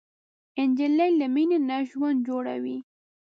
نجلۍ له مینې نه ژوند جوړوي.